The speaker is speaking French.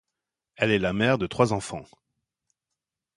Elle est la mère de trois enfants.